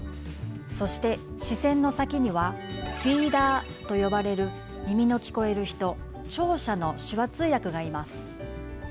そして視線の先にはフィーダーと呼ばれる耳の聞こえる人聴者の手話通訳がいます。